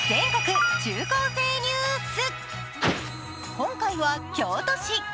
今回は京都市。